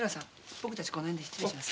僕たちこの辺で失礼します。